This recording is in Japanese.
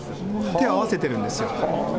手合わせるんですよ。